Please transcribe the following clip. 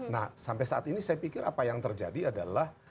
nah sampai saat ini saya pikir apa yang terjadi adalah